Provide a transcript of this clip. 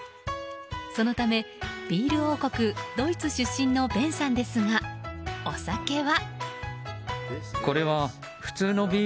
そのため、ビール王国ドイツ出身のベンさんですがお酒は。